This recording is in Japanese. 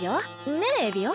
ねえエビオ？